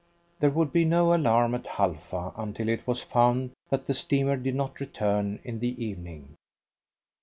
There would be no alarm at Halfa until it was found that the steamer did not return in the evening.